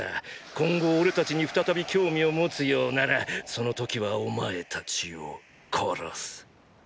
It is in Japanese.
「今後俺たちに再び興味を持つようならその時はお前たちを殺す」。